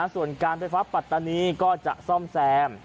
ส่วนการไฟฟ้าปัตตานีก็จะซ่อมแซม